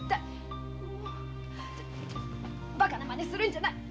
バカなまねするんじゃない。